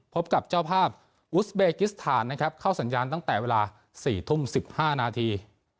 พบกับเจ้าภาพอุสเบกิสถานนะครับเข้าสัญญาณตั้งแต่เวลา๔ทุ่ม๑๕นาที